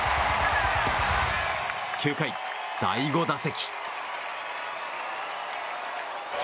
９回、第５打席。